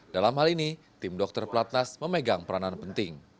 dalam hal ini tim dr platnas memegang peranan penting